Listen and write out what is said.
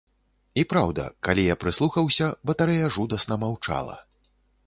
І праўда, калі я прыслухаўся, батарэя жудасна маўчала.